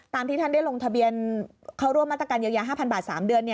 ที่ท่านได้ลงทะเบียนเข้าร่วมมาตรการเยียวยา๕๐๐บาท๓เดือน